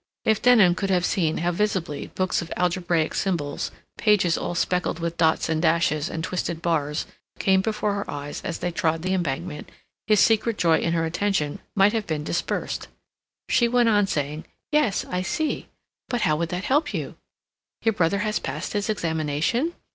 If Denham could have seen how visibly books of algebraic symbols, pages all speckled with dots and dashes and twisted bars, came before her eyes as they trod the Embankment, his secret joy in her attention might have been dispersed. She went on, saying, "Yes, I see.... But how would that help you?... Your brother has passed his examination?"